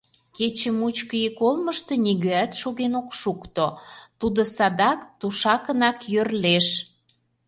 Кече мучко ик олмышто нигӧат шоген ок шукто, тудо садак тушакынак йӧрлеш.